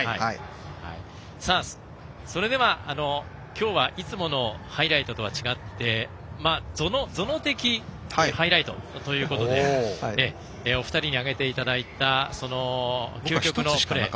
それでは、今日はいつものハイライトとは違って園的ハイライトということでお二人に挙げていただいた究極のプレー。